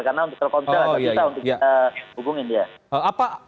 karena untuk terkontak kita hubungin dia